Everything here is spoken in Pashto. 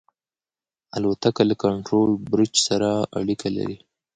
الوتکه له کنټرول برج سره اړیکه لري.